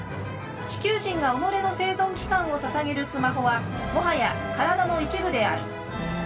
地球人が己の生存期間をささげるスマホはもはや体の一部である。